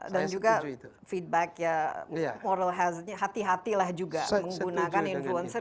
dan juga feedback moral health nya hati hatilah juga menggunakan influencer